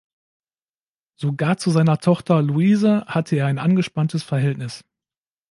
Sogar zu seiner Tochter Louise hat er ein angespanntes Verhältnis.